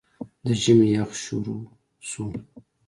د ژمي يخ شورو شو